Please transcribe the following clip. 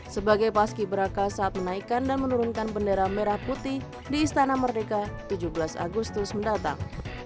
sebagai paski beraka saat menaikan dan menurunkan bendera merah putih di istana merdeka tujuh belas agustus mendatang